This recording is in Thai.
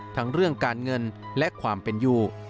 ทั้งเรื่องการเงินและความเป็นอยู่